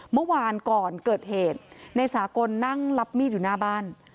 เมื่อวานก่อนเกิดเหตุในสากลนั่งรับมีดอยู่หน้าบ้าน